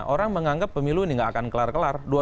orang menganggap pemilu ini gak akan kelar kelar